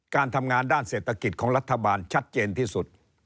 การทำงานด้านเศรษฐกิจของรัฐบาลชัดเจนที่สุด